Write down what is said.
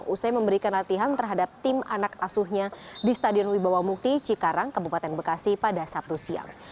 usai memberikan latihan terhadap tim anak asuhnya di stadion wibawa mukti cikarang kabupaten bekasi pada sabtu siang